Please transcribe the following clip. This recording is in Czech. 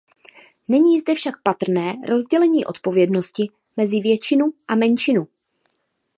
Není zde však patrné rozdělení odpovědnosti mezi většinu a menšinu.